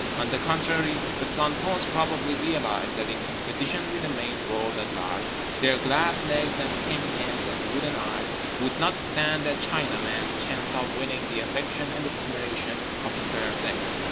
On the contrary. The plantons probably realised that, in competition with the male world at large, their glass legs and tin hands and wooden eyes would not stand a Chinaman's chance of winning the affection and admiration of the fair sex.